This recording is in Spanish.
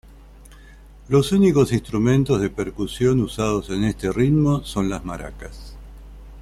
Los únicos instrumentos de percusión usados en este ritmo son las maracas.